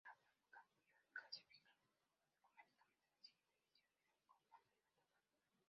El campeón Boca Juniors clasificaba automáticamente a la siguiente edición de la Copa Libertadores.